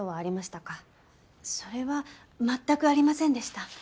それは全くありませんでした。